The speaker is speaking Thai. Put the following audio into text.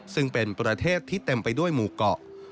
ซึ่งเป็นประเทศที่เต็มไปด้วยหมู่เกาะ